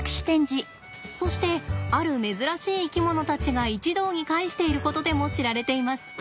そしてある珍しい生き物たちが一堂に会していることでも知られています。